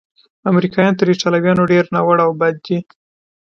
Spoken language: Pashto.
امریکایان تر ایټالویانو ډېر ناوړه او بد دي.